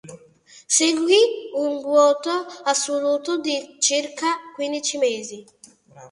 Seguì un vuoto assoluto di circa quindici mesi.